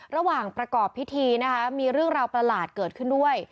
ระหว่างประกอบพิธีนะคะมีเรื่องราวประหลาดเกิดขึ้นด้วย